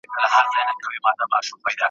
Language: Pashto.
مشوره له چا؟ `